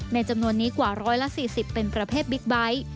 จำนวนนี้กว่า๑๔๐เป็นประเภทบิ๊กไบท์